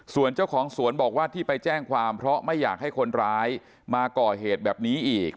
ส่วนเจ้าของสวนบอกว่าที่ไปแจ้งความเพราะไม่อยากให้คนร้ายมาก่อเหตุแบบนี้อีก